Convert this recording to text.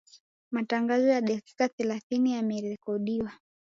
Matangazo ya dakika thelathini yamerekodiwa